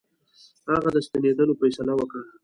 هغه د ستنېدلو فیصله وکړه.